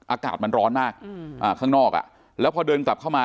อากาศมันร้อนมากข้างนอกอ่ะแล้วพอเดินกลับเข้ามา